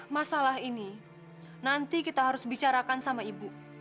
masalah ini nanti kita harus bicarakan sama ibu